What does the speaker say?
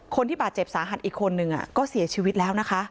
คนที่บาดเจ็บสาหัสอีกคนนึงก็เสียชีวิตแล้วนะคะ